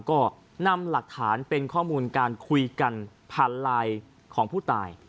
ก็นำหลักฐานเป็นข้อมูลการคุยกันผ่านไลน์ของผู้ตาย